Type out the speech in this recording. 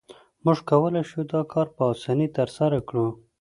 موږ کولای شو دا کار په اسانۍ ترسره کړو